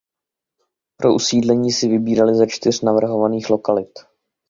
Pro usídlení si vybírali ze čtyř navrhovaných lokalit.